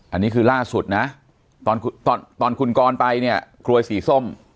อันนี้คือล่าสุดนะตอนคุณกรไปเนี่ยกรวยสีส้ม